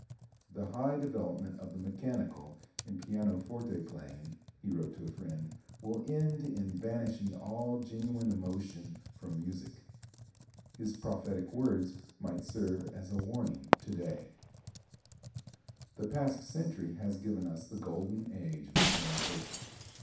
"The high development of the mechanical in pianoforte playing," he wrote to a friend, "will end in banishing all genuine emotion from music." His prophetic words might serve as a warning to day. [Illustration: LILLIAN NORDICA] The past century has given us the golden age of the pianoforte.